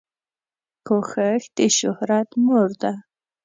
کوښښ دشهرت مور ده